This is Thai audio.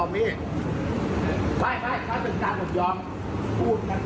พี่เอามาเป็นสัตว์